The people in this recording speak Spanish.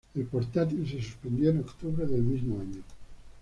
El portátil se suspendió en octubre del mismo año.